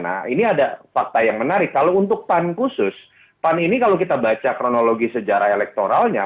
nah ini ada fakta yang menarik kalau untuk pan khusus pan ini kalau kita baca kronologi sejarah elektoralnya